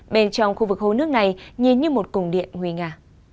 bên trong khu vực hồ nước này nhìn như một củng điện huy ngà